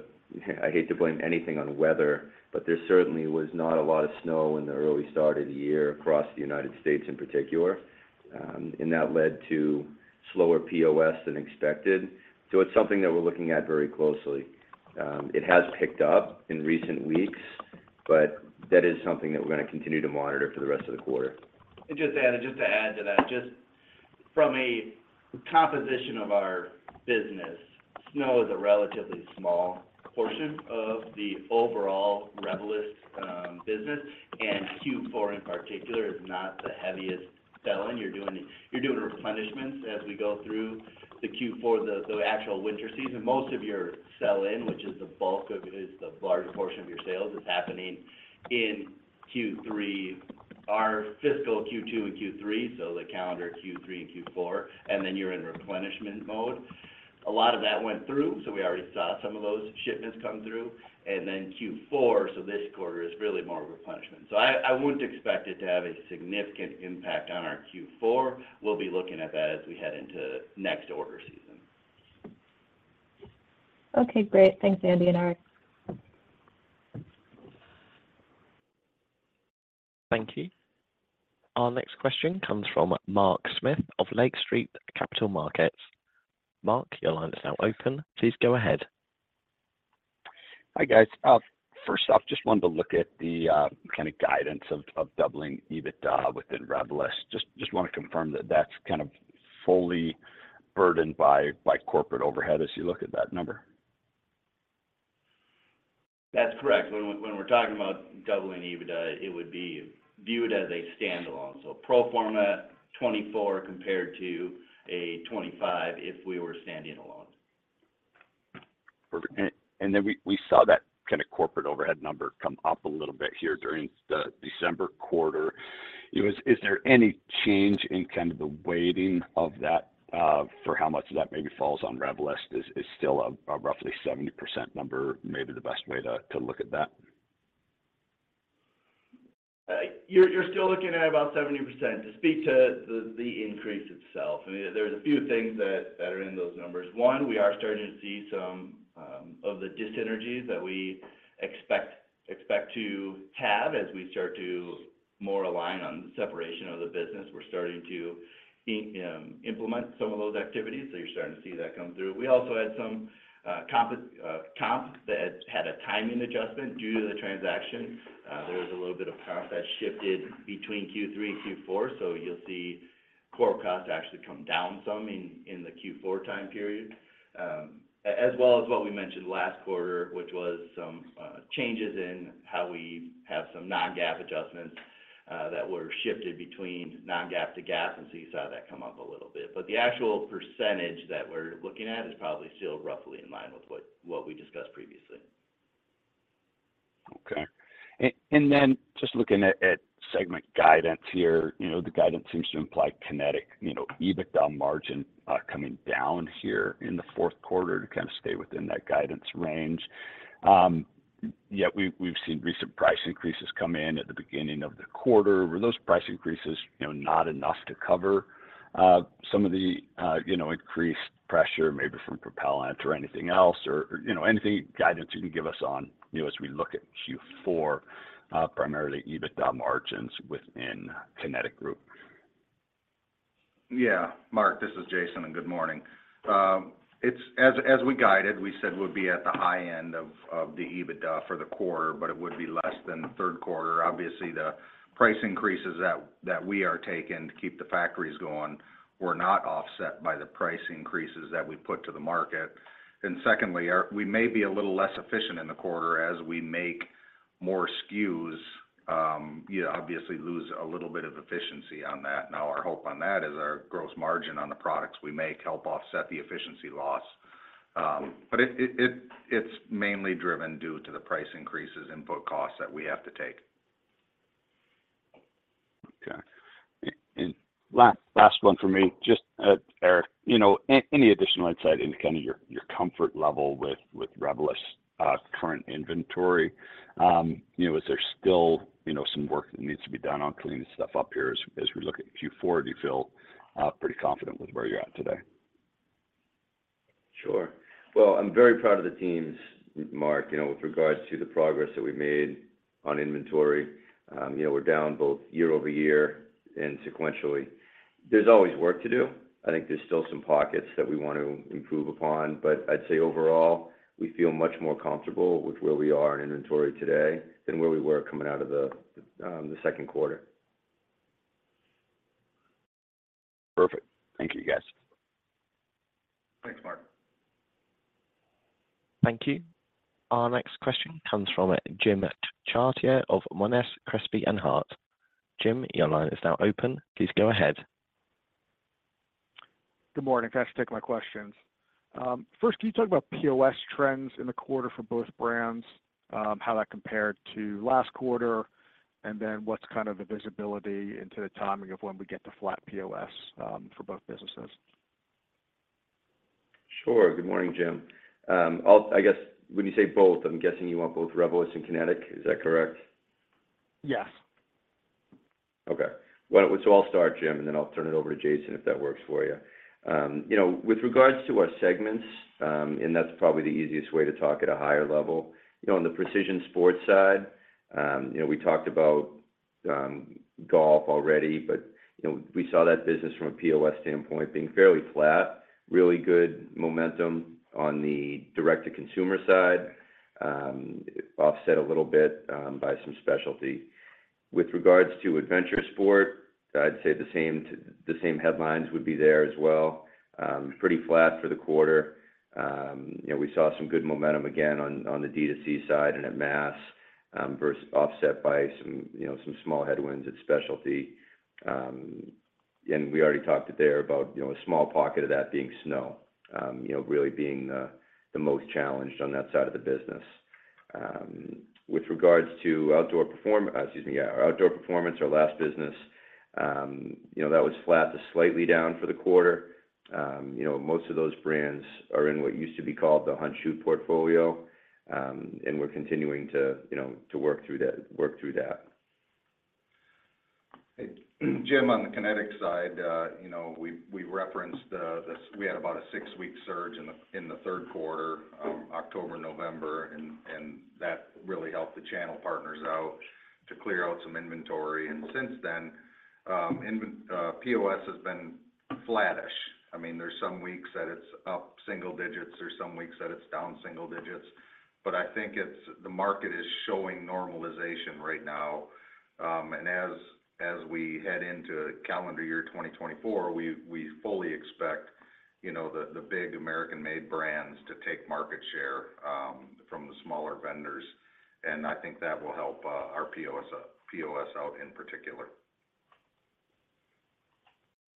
I hate to blame anything on weather, but there certainly was not a lot of snow in the early start of the year across the United States in particular. That led to slower POS than expected. It's something that we're looking at very closely. It has picked up in recent weeks, but that is something that we're gonna continue to monitor for the rest of the quarter. And just to add, just to add to that, just from a composition of our business, snow is a relatively small portion of the overall Revelyst business, and Q4 in particular is not the heaviest sell-in. You're doing, you're doing replenishments as we go through the Q4, the actual winter season. Most of your sell-in, which is the bulk of, is the largest portion of your sales, is happening in Q3, our fiscal Q2 and Q3, so the calendar Q3 and Q4, and then you're in replenishment mode. A lot of that went through, so we already saw some of those shipments come through, and then Q4, so this quarter is really more of replenishment. So I wouldn't expect it to have a significant impact on our Q4. We'll be looking at that as we head into next order season. Okay, great. Thanks, Andy and Eric. Thank you. Our next question comes from Mark Smith of Lake Street Capital Markets. Mark, your line is now open. Please go ahead. Hi, guys. First off, just wanted to look at the kind of guidance of doubling EBITDA within Revelyst. Just want to confirm that that's kind of fully burdened by corporate overhead as you look at that number. That's correct. When we're talking about doubling EBITDA, it would be viewed as a standalone. So pro forma 2024 compared to a 2025 if we were standing alone. Perfect. And then we saw that kind of corporate overhead number come up a little bit here during the December quarter. Is there any change in kind of the weighting of that for how much of that maybe falls on Revelyst? Is still a roughly 70% number, maybe the best way to look at that? You're still looking at about 70%. To speak to the increase itself, I mean, there's a few things that are in those numbers. One, we are starting to see some of the dis-synergies that we expect to have as we start to more align on the separation of the business. We're starting to implement some of those activities, so you're starting to see that come through. We also had some comp that had a timing adjustment due to the transaction. There was a little bit of comp that shifted between Q3 and Q4, so you'll see core costs actually come down some in the Q4 time period. As well as what we mentioned last quarter, which was some changes in how we have some non-GAAP adjustments that were shifted between non-GAAP to GAAP, and so you saw that come up a little bit. But the actual percentage that we're looking at is probably still roughly in line with what we discussed previously. Okay. And then just looking at segment guidance here, you know, the guidance seems to imply Kinetic, you know, EBITDA margin coming down here in the fourth quarter to kind of stay within that guidance range. Yeah, we've seen recent price increases come in at the beginning of the quarter. Were those price increases, you know, not enough to cover some of the, you know, increased pressure maybe from propellant or anything else, or, you know, any guidance you can give us on, you know, as we look at Q4, primarily EBITDA margins within Kinetic Group? Yeah, Mark, this is Jason, and good morning. It's as we guided, we said we'd be at the high end of the EBITDA for the quarter, but it would be less than the third quarter. Obviously, the price increases that we are taking to keep the factories going were not offset by the price increases that we put to the market. And secondly, we may be a little less efficient in the quarter. As we make more SKUs, you obviously lose a little bit of efficiency on that. Now, our hope on that is our gross margin on the products we make help offset the efficiency loss. But it's mainly driven due to the price increases, input costs that we have to take. Okay. And last, last one for me. Just, Eric, you know, any additional insight into kind of your, your comfort level with, with Revelyst, current inventory? You know, is there still, you know, some work that needs to be done on cleaning stuff up here as, as we look at Q4? Do you feel, pretty confident with where you're at today? Sure. Well, I'm very proud of the teams, Mark, you know, with regards to the progress that we made on inventory. You know, we're down both year-over-year and sequentially. There's always work to do. I think there's still some pockets that we want to improve upon, but I'd say overall, we feel much more comfortable with where we are in inventory today than where we were coming out of the second quarter. Perfect. Thank you, guys. Thanks, Mark. Thank you. Our next question comes from Jim Chartier of Monness, Crespi and Hardt. Jim, your line is now open. Please go ahead. Good morning, thanks for taking my questions. First, can you talk about POS trends in the quarter for both brands, how that compared to last quarter, and then what's kind of the visibility into the timing of when we get to flat POS, for both businesses? Sure. Good morning, Jim. I'll—I guess when you say both, I'm guessing you want both Revelyst and Kinetic. Is that correct? Yes. Okay. Well, so I'll start, Jim, and then I'll turn it over to Jason, if that works for you. You know, with regards to our segments, and that's probably the easiest way to talk at a higher level. You know, on the Precision Sport side, you know, we talked about, golf already, but, you know, we saw that business from a POS standpoint being fairly flat, really good momentum on the direct-to-consumer side, offset a little bit, by some specialty. With regards to Adventure Sport, I'd say the same - the same headlines would be there as well. Pretty flat for the quarter. You know, we saw some good momentum again on, on the D2C side and at mass, versus offset by some, you know, some small headwinds at specialty. And we already talked there about, you know, a small pocket of that being snow, you know, really being the most challenged on that side of the business. With regards to Outdoor Performance, our last business, you know, that was flat to slightly down for the quarter. You know, most of those brands are in what used to be called the Hunt/Shoot portfolio, and we're continuing to, you know, work through that. Jim, on the Kinetic side, you know, we've referenced this. We had about a six-week surge in the third quarter, October, November, and that really helped the channel partners out to clear out some inventory. And since then, POS has been flattish. I mean, there's some weeks that it's up single digits, there's some weeks that it's down single digits, but I think the market is showing normalization right now. And as we head into calendar year 2024, we fully expect, you know, the big American-made brands to take market share from the smaller vendors, and I think that will help our POS out in particular.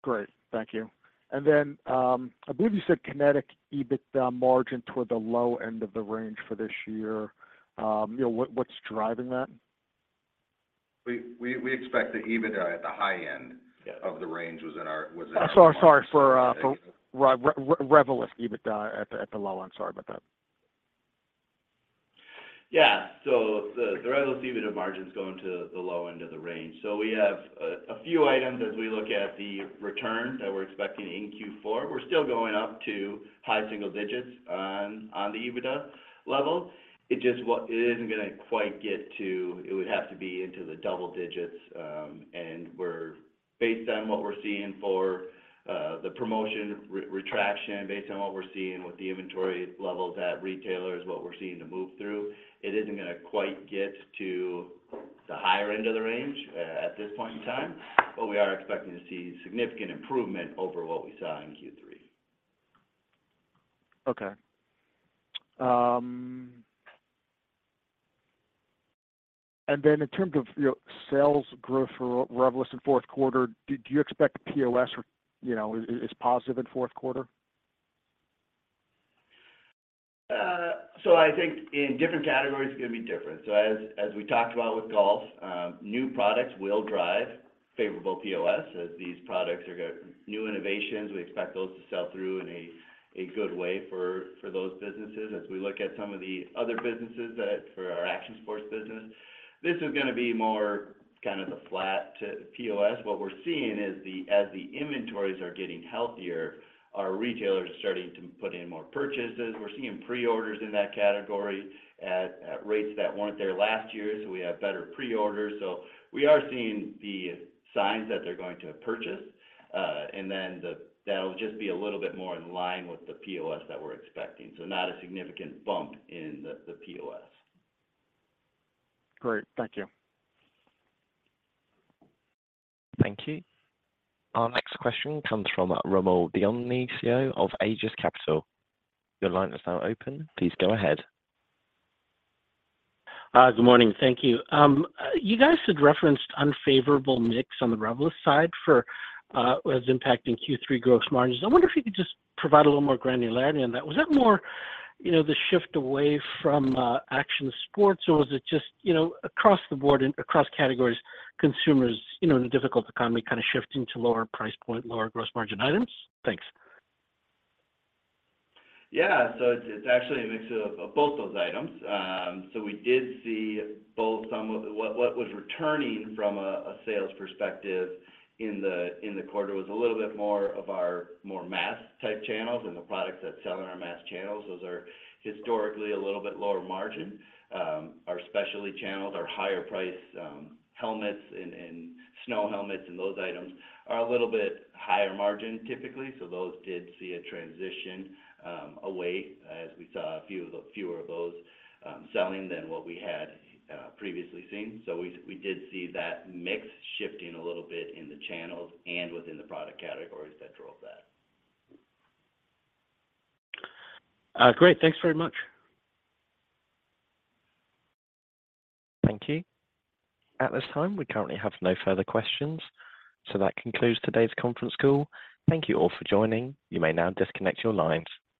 Great. Thank you. And then, I believe you said Kinetic EBITDA margin toward the low end of the range for this year. You know, what, what's driving that? We expect the EBITDA at the high end- Yes of the range was in our Sorry, sorry, for Revelyst EBITDA at the low. I'm sorry about that. Yeah. So the Revelyst EBITDA margin is going to the low end of the range. So we have a few items as we look at the return that we're expecting in Q4. We're still going up to high single digits on the EBITDA level. It just isn't gonna quite get to, It would have to be into the double digits, and based on what we're seeing for the promotion retraction, based on what we're seeing with the inventory levels at retailers, what we're seeing to move through, it isn't gonna quite get to the higher end of the range, at this point in time, but we are expecting to see significant improvement over what we saw in Q3. Okay. And then in terms of, you know, sales growth for Revelyst in fourth quarter, do you expect the POS, you know, is positive in fourth quarter? I think in different categories- Story is going to be different. So as we talked about with golf, new products will drive favorable POS as these products are new innovations, we expect those to sell through in a good way for those businesses. As we look at some of the other businesses that for our Action Sports business, this is going to be more kind of flat to POS. What we're seeing is as the inventories are getting healthier, our retailers are starting to put in more purchases. We're seeing pre-orders in that category at rates that weren't there last year, so we have better pre-orders. So we are seeing the signs that they're going to purchase, and then that'll just be a little bit more in line with the POS that we're expecting. So not a significant bump in the POS. Great. Thank you. Thank you. Our next question comes from Rommel Dionisio of Aegis Capital. Your line is now open. Please go ahead. Good morning. Thank you. You guys had referenced unfavorable mix on the Revelyst side for, was impacting Q3 gross margins. I wonder if you could just provide a little more granularity on that. Was that more, you know, the shift away from, Adventure Sports, or was it just, you know, across the board and across categories, consumers, you know, in a difficult economy, kind of shifting to lower price point, lower gross margin items? Thanks. Yeah. So it's actually a mix of both those items. So we did see both some of what was returning from a sales perspective in the quarter was a little bit more of our more mass-type channels and the products that sell in our mass channels. Those are historically a little bit lower margin. Our specialty channels, our higher price helmets and snow helmets and those items are a little bit higher margin, typically. So those did see a transition away as we saw fewer of those selling than what we had previously seen. So we did see that mix shifting a little bit in the channels and within the product categories that drove that. Great. Thanks very much. Thank you. At this time, we currently have no further questions, so that concludes today's conference call. Thank you all for joining. You may now disconnect your lines.